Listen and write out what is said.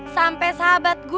sampai sahabat gue tuh ada tuh